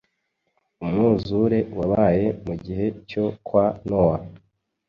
umwuzure wabaye mugihe cyo kwa nowa